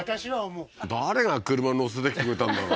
誰が車に乗せてきてくれたんだろう？